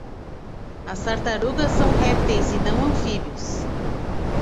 As tartarugas são répteis e não anfíbios.